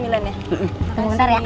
nanti ntar ya